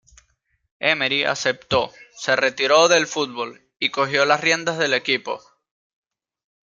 Emery aceptó, se retiró del fútbol y cogió las riendas del equipo.